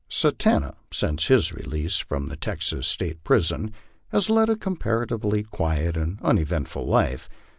Satanta, since his release from the Texas State prison, has led a com paratively quiet and uneventful life.